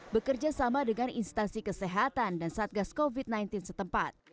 bekerja sama dengan instansi kesehatan dan satgas covid sembilan belas setempat